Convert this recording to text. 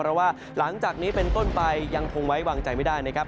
เพราะว่าหลังจากนี้เป็นต้นไปยังคงไว้วางใจไม่ได้นะครับ